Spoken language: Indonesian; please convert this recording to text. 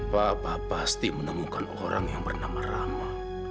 bapak pasti menemukan orang yang bernama rama